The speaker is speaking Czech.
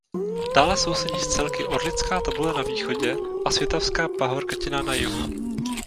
Dále sousedí s celky Orlická tabule na východě a Svitavská pahorkatina na jihu.